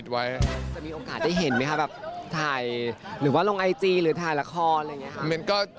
จะมีโอกาสได้เห็นไหมคะแบบถ่ายหรือว่าลงไอจีหรือถ่ายละครอะไรอย่างนี้ค่ะ